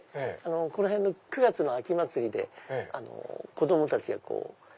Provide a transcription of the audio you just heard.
この辺の９月の秋祭りで子供たちがこう。